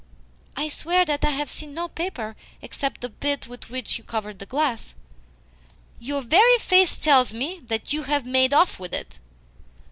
"I swear that I have seen no paper except the bit with which you covered the glass." "Your very face tells me that you have made off with it."